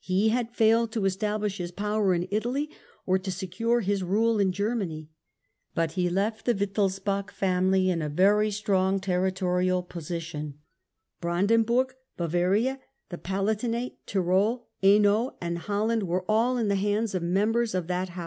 He had failed to establish his power in Italy, or to secure his rule in Germany ; but he left the Wittelsbach family in a very strong territorial position, Brandenburg, Bavaria, the Palatinate, Tyrol, Hainault and Holland were all in the hands of members of that house.